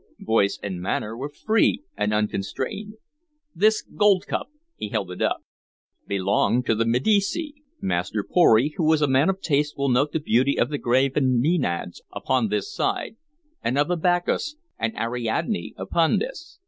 Voice and manner were free and unconstrained. "This gold cup " he held it up "belonged to the Medici. Master Pory, who is a man of taste, will note the beauty of the graven maenads upon this side, and of the Bacchus and Ariadne upon this.